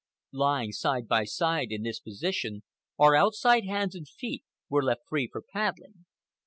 Lying side by side in this position, our outside hands and feet were left free for paddling.